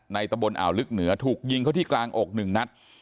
ตะบนอ่าวลึกเหนือถูกยิงเขาที่กลางอก๑นัด